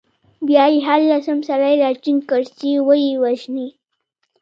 بیا يې هر لسم سړی راټینګ کړ، چې ویې وژني.